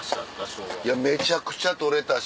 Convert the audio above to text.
めちゃくちゃ取れたし。